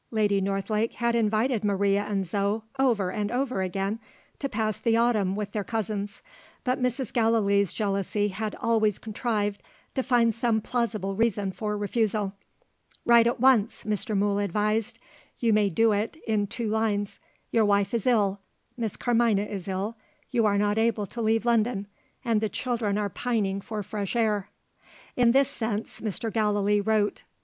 Lady Northlake had invited Maria and Zo, over and over again, to pass the autumn with their cousins; but Mrs. Gallilee's jealousy had always contrived to find some plausible reason for refusal. "Write at once," Mr. Mool advised. "You may do it in two lines. Your wife is ill; Miss Carmina is ill; you are not able to leave London and the children are pining for fresh air." In this sense, Mr. Gallilee wrote.